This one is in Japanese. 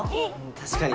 確かに。